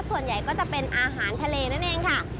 ส่วนใหญ่ก็จะเป็นอาหารทะเลนั่นเองค่ะ